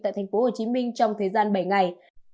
tại tp hcm trong thời gian bảy ngày